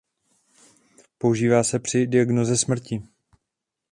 Používá se při diagnóze smrti.